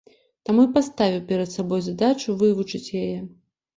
Таму і паставіў перад сабой задачу вывучыць яе.